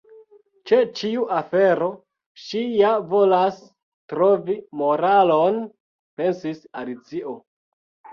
"Ĉe ĉiu afero ŝi ja volas trovi moralon," pensis Alicio.